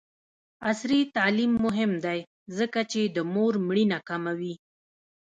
عصري تعلیم مهم دی ځکه چې د مور مړینه کموي.